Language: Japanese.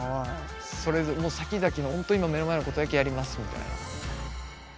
それぞれさきざきのほんと今目の前のことだけやりますみたいな。